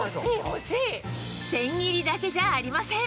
千切りだけじゃありません